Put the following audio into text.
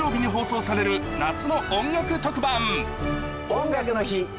「音楽の日」